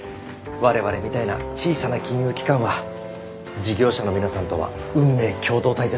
我々みたいな小さな金融機関は事業者の皆さんとは運命共同体ですから。